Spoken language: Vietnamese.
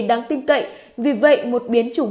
đáng tin cậy vì vậy một biến chủng